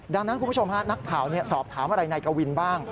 ดังนั้นคุณผู้ชมฮะนักข่าวสอบถามอะไรนายกวินบ้าง